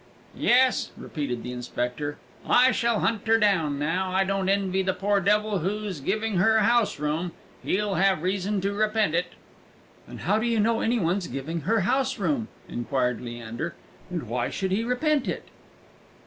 "Yes," repeated the inspector, "I shall hunt her down now. I don't envy the poor devil who's giving her house room; he'll have reason to repent it!" "How do you know any one's giving her house room?" inquired Leander; "and why should he repent it?"